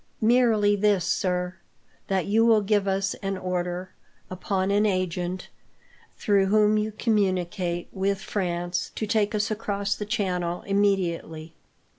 "Merely this, sir. That you will give us an order, upon an agent through whom you communicate with France, to take us across the channel immediately."